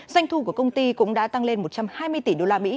doanh thu của công ty cũng đã tăng lên một trăm hai mươi tỷ đô la mỹ